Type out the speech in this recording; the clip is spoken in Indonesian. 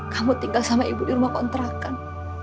kamu tinggal sama ibu di rumah kontrakan